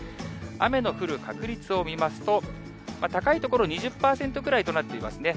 雨の降る確率を見ますと、高い所、２０％くらいとなっていますね。